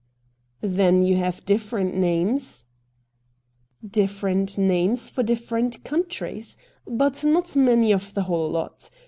' Then you have different names ?'' Different names for different countries — but not many of the whole lot.